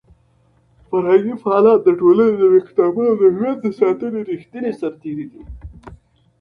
فرهنګي فعالان د ټولنې د ویښتابه او د هویت د ساتنې ریښتیني سرتېري دي.